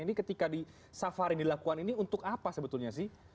ini ketika di safari dilakukan ini untuk apa sebetulnya sih